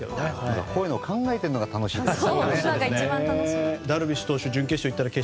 こういうのを考えているのが楽しいです。